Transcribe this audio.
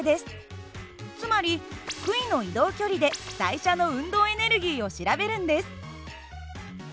つまり杭の移動距離で台車の運動エネルギーを調べるんです。